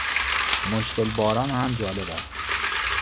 مشکل باران هم جالب است.